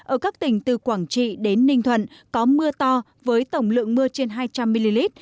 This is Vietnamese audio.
ở các tỉnh từ quảng trị đến ninh thuận có mưa to với tổng lượng mưa trên hai trăm linh mm